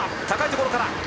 高いところから。